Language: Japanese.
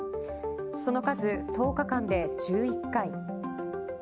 その数１０日間で１１回。